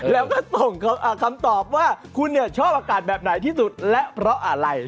แล้วก็ส่งคำตอบว่าคุณชอบอากาศแบบไหนที่สุดและเพราะอะไร